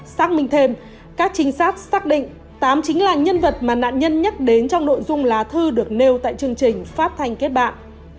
xác minh thêm các trinh sát xác định tám chính là nhân vật mà nạn nhân nhắc đến trong nội dung lá thư được nêu tại chương trình phát thanh kết bạn